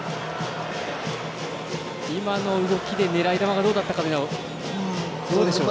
今の動き狙い球はどうだったでしょうか？